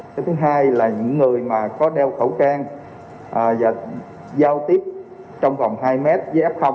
cái thứ hai là những người mà có đeo khẩu trang và giao tiếp trong vòng hai mét với f